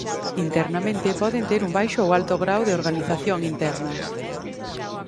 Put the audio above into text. Internamente poden ter un baixo ou alto grao de organización interna.